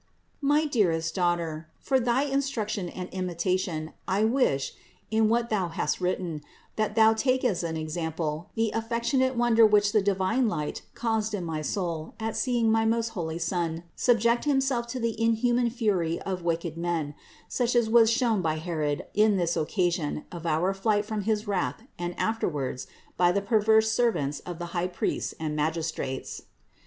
628. My dearest daughter, for thy instruction and imitation I wish, in what thou hast written, that thou take as an example the affectionate wonder which the divine light caused in my soul at seeing my most holy Son subject Himself to the inhuman fury of wicked men, such as was shown by Herod in this occasion of our flight from his wrath and afterwards by the perverse servants of the high priests and magistrates.